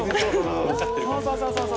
そうそうそうそう。